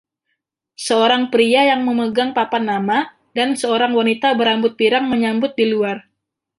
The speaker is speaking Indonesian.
Seorang pria yang memegang papan nama dan seorang wanita berambut pirang menyambut di luar